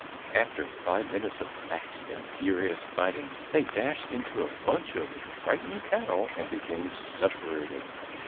After five minutes of fast and furious fighting, they dashed into a bunch of frightened cattle and became separated.